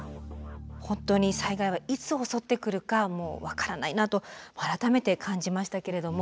本当に災害はいつ襲ってくるか分からないなと改めて感じましたけれども。